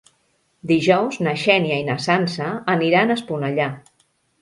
Dijous na Xènia i na Sança aniran a Esponellà.